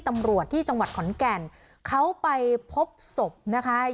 ตำรวจที่จังหวัดขอนแก่นเขาไปพบศพนะคะ